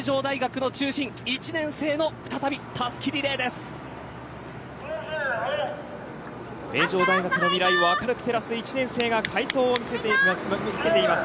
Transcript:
将来の名城大学の中心１年生の再び名城大学の未来を明るく照らす１年生が快走を見せています。